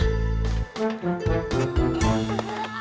menang banget sih